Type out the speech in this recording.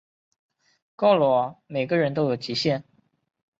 够了喔，每个人都有极限